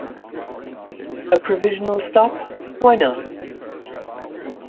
A provisional stop, why not?